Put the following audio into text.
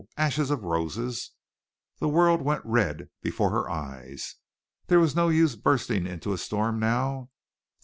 "Ashes of Roses!" The world went red before her eyes. There was no use bursting into a storm now, though.